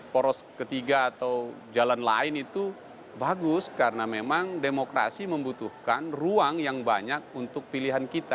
poros ketiga atau jalan lain itu bagus karena memang demokrasi membutuhkan ruang yang banyak untuk pilihan kita